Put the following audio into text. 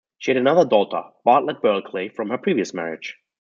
She had another daughter, Bartlett Bulkley, from her previous marriage.